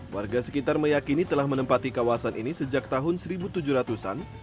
warga sekitar meyakini telah menempati kawasan ini sejak tahun seribu tujuh ratus an